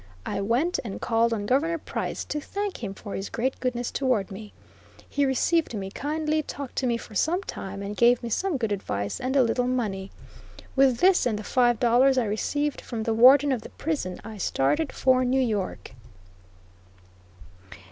I went and called on Governor Price to thank him for his great goodness towards me. He received me kindly, talked to me for some time, and gave me some good advice and a little money. With this and the five dollars I received from the Warden of the prison I started for New York.